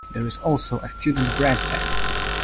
There is also a student brass band.